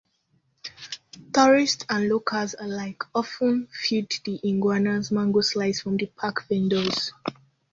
Tourists and locals alike often feed the iguanas mango slices from park vendors.